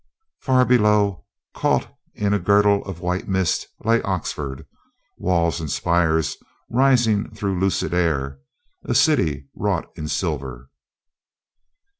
Far below, caught in a girdle of white mist, lay Oxford, walls and spires rising through lucid air, a city wrought in silver.